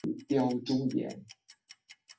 黄石火山是的一部分。